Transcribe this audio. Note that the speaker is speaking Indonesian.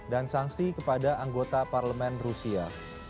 dan sanksi kepada anggota parlemen rusia